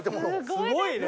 すごいね。